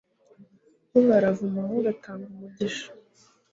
bo baravuma, wowe ugatanga umugisha